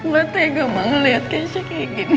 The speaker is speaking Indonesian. mata yang gak mau ngeliat keisha kayak gini